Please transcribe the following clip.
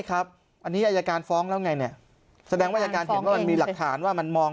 ครับอันนี้อัยการฟ้องแล้วไงเนี่ยแสดงว่ามีหลักฐานว่ามันมอง